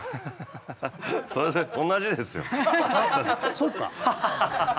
そうか。